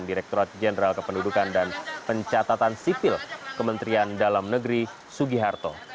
direkturat jenderal kependudukan dan pencatatan sipil kementerian dalam negeri sugiharto